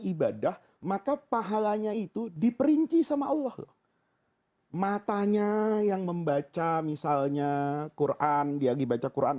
ibadah maka pahalanya itu diperinci sama allah loh matanya yang membaca misalnya quran diagi baca quran